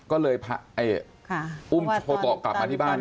ก็เลยอุ้มโชโตกลับมาที่บ้าน